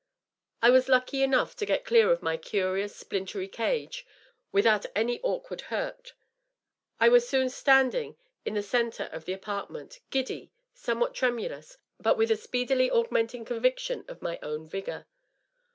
I was lucky enough to get clear of my curious, splintery cage without any awkward hurt. I was soon standing in the centre of the apart ment, giddy, somewhat tremulous, but with a speedily augmenting con viction of my own vigor.